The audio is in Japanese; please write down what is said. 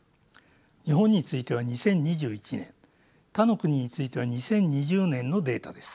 日本については２０２１年他の国については２０２０年のデータです。